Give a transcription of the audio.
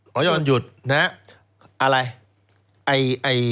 โหยอร์นหยุดนะฮะอะไรไอ